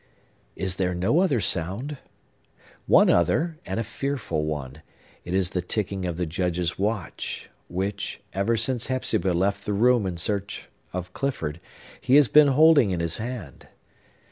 Is there no other sound? One other, and a fearful one. It is the ticking of the Judge's watch, which, ever since Hepzibah left the room in search of Clifford, he has been holding in his hand.